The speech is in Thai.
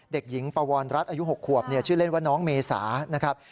เด็กหญิงปวรรัฐอายุ๖ขวบชื่อเล่นว่าน้องเมษานะครับ